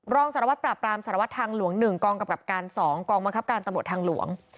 รองสารวัตรปราบรามสารวัตรทางหลวง๑กองกำกับการ๒กองบังคับการตำรวจทางหลวง